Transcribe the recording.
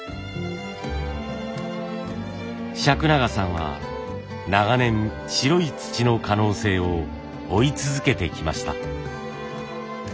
釋永さんは長年白い土の可能性を追い続けてきました。